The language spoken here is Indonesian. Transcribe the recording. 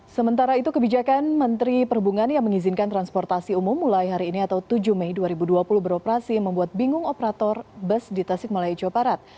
sementara itu kebijakan menteri perhubungan yang mengizinkan transportasi umum mulai hari ini atau tujuh mei dua ribu dua puluh beroperasi membuat bingung operator bus di tasik malaya jawa barat